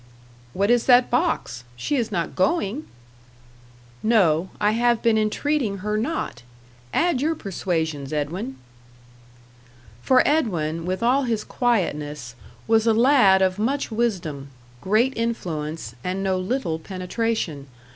"What is that box? She is not going?" "No; I have been entreating her not. Add your persuasions, Edwin." For Edwin, with all his quietness, was a lad of much wisdom, great influence, and no little penetration.